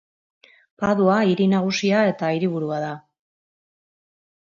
Padua hiri nagusia eta hiriburua da.